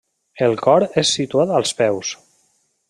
El cor és situat als peus.